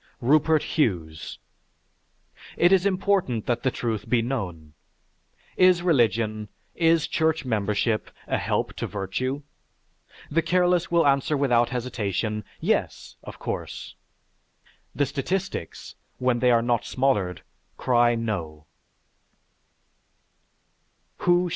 RUPERT HUGHES It is important that the truth be known. Is religion, is church membership a help to virtue? The careless will answer without hesitation, "Yes!" Of course. The statistics, when they are not smothered, cry, "No!"